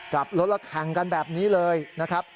กลับรถแล้วแข่งกันแบบนี้เลยนะครับ